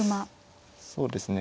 そうですね